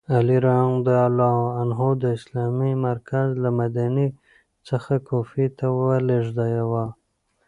علي رض د اسلامي مرکز له مدینې څخه کوفې ته ولیږداوه.